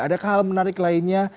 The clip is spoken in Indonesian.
adakah hal menarik lainnya